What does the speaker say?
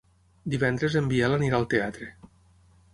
Divendres en Biel anirà al teatre.